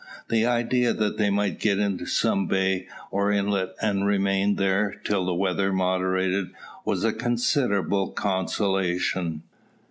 The idea that they might get into some bay or inlet, and remain, there till the weather moderated, was a considerable consolation.